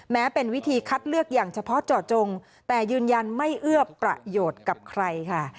แม้เป็นวิธีคัดเลือกอย่างเฉพาะเจาะจงแต่ยืนยันไม่เอื้อประโยชน์กับใครค่ะ